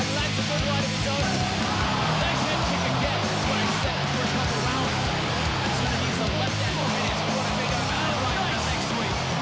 นั่นคือสิ่งที่เราต้องคิดว่ามันจะเป็นอะไรหรือเปล่า